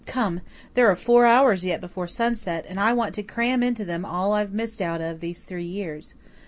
Come there are four hours yet before sunset, and I want to cram into them all I've missed out of these three years.